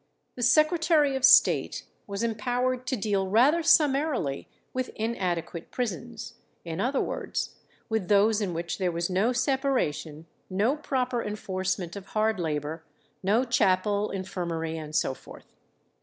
The Secretary of State was empowered to deal rather summarily with "inadequate" prisons, in other words, with those in which there was no separation, no proper enforcement of hard labour, no chapel, infirmary, and so forth.